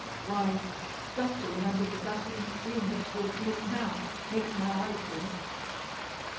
Why, just to remember the dazzling stream that poured from its mouth, makes my eyes wink."